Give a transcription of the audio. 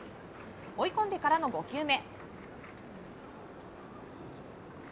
追い込んでからの５球目。